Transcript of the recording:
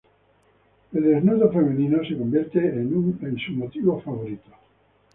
El desnudo femenino se convierte en su motivo favorito.